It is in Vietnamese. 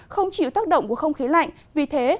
không chịu tác động của không khí lạnh vì thế